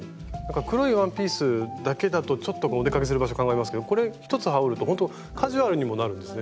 黒いワンピースだけだとちょっとお出かけする場所考えますけどこれ一つ羽織るとほんとカジュアルにもなるんですね少しね。